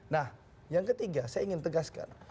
nah yang ketiga saya ingin tegaskan